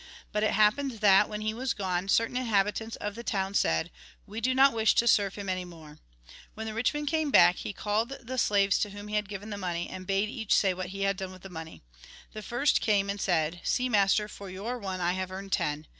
But it happened that, when he was gone, certain inhabitants of that town said :' We do not wish to serve him any more.' When 66 THE GOSPEL IN BRIEF the rich man came back, he called the slaves to whom he had given the money, and bade each say what he had done with his money. The first came, and said :' See, master, for your one I have earned ten.'